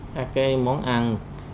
các món ăn